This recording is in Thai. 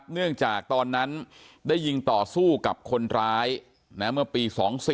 เนื่องจากตอนนั้นได้ยิงต่อสู้กับคนร้ายเมื่อปี๒๔